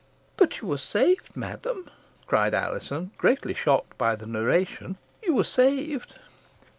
"But you were saved, madam?" cried Alizon, greatly shocked by the narration. "You were saved?"